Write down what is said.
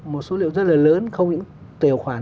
một số liệu rất là lớn không những tài khoản